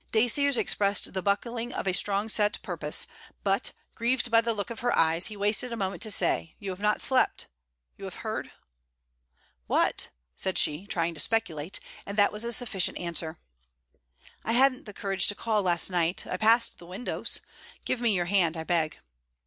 Dacier's expressed the buckling of a strong set purpose; but, grieved by the look of her eyes, he wasted a moment to say: 'You have not slept. You have heard...?' 'What?' said she, trying to speculate; and that was a sufficient answer. 'I hadn't the courage to call last night; I passed the windows. Give me your hand, I beg.'